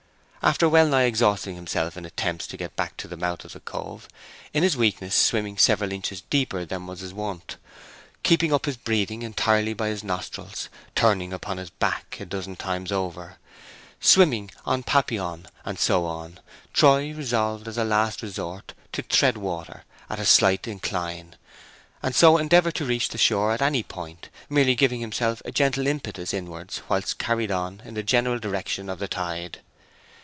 After well nigh exhausting himself in attempts to get back to the mouth of the cove, in his weakness swimming several inches deeper than was his wont, keeping up his breathing entirely by his nostrils, turning upon his back a dozen times over, swimming en papillon, and so on, Troy resolved as a last resource to tread water at a slight incline, and so endeavour to reach the shore at any point, merely giving himself a gentle impetus inwards whilst carried on in the general direction of the tide.